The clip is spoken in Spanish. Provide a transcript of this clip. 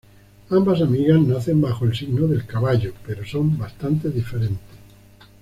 Ambas amigas nacen bajo el signo del caballo pero son bastante diferentes.